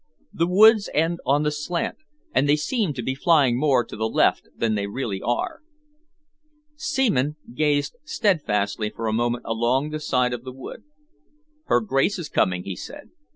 The wood ends on the slant, and they seem to be flying more to the left than they really are." Seaman gazed steadfastly for a moment along the side of the wood. "Her Grace is coming," he said.